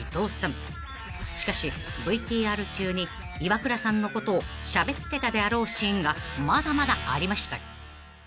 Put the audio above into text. ［しかしＶＴＲ中にイワクラさんのことをしゃべってたであろうシーンがまだまだありました］